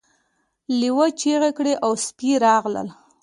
لیوه چیغې کړې او سپي راغلل.